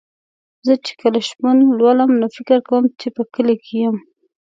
زه چې کله شپون لولم نو فکر کوم چې په کلي کې یم.